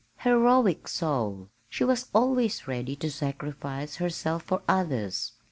Heroic soul! She was always ready to sacrifice herself for others.